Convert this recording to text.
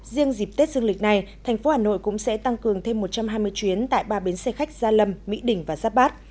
riêng dịp tết dương lịch này thành phố hà nội cũng sẽ tăng cường thêm một trăm hai mươi chuyến tại ba bến xe khách gia lâm mỹ đình và giáp bát